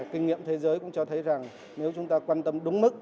kinh nghiệm thế giới cũng cho thấy rằng nếu chúng ta quan tâm đúng mức